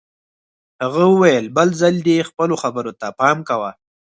هغه وویل بل ځل دې خپلو خبرو ته پام کوه